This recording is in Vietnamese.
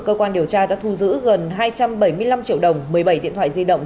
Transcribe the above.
cơ quan điều tra đã thu giữ gần hai trăm bảy mươi năm triệu đồng một mươi bảy điện thoại di động